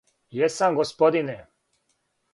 Јесам, господине!